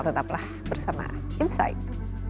tetaplah bersama insight